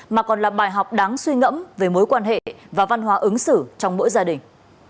mà còn là bài học đáng suy ngẫm về mối quan hệ và văn hóa ứng xử trong mỗi gia đình